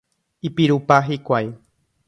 Ipirupa hikuái.